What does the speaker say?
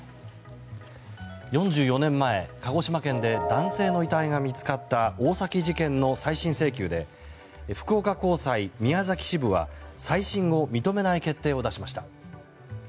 ４４年前、鹿児島県で男性の遺体が見つかった大崎事件の再審請求で福岡高裁宮崎支部は再審を認めない決定を出しました。